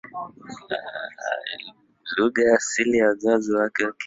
lugha ya asili ya wazazi wake ni kikwere